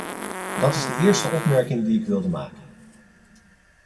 Dat is de eerste opmerking die ik wilde maken.